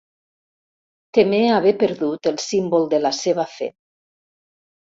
Temé haver perdut el símbol de la seva fe.